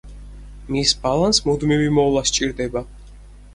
მის ბალანს მუდმივი მოვლა სჭირდება.